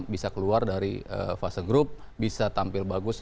bisa keluar dari fase grup bisa tampil bagus